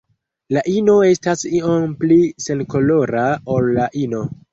La ino estas iom pli senkolora ol la ino.